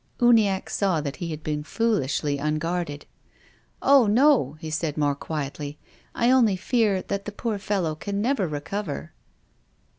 Uniacke saw that he had been foolishly un guarded. " Oh, no," he said, more quietly, " I only fear that the poor fellow can never recover."